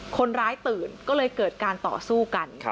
คนร้ายตื่นก็เลยเกิดการต่อสู้กัน